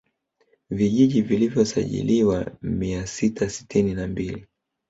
Vijiji vilivyosajiliwa mia sita sitini na mbili